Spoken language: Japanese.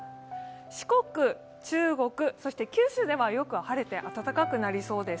四国、中国、九州では、よく晴れて暖かくなりそうです。